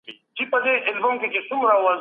د الله حقونه به ادا کېږي.